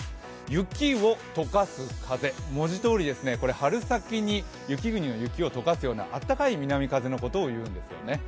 雪を解かす風文字通り春先に雪国の雪を解かすようなあったかい南風のことを言うんですよね。